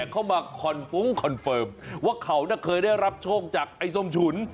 เข้ามาคอนฟุ้งคอนเฟิร์มว่าเขาเคยได้รับโชคจากไอ้ส้มฉุน